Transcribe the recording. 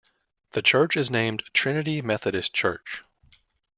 The church is named Trinity Methodist Church.